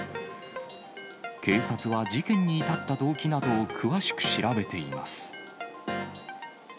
警察は事件に至った動機などを詳しく調べています。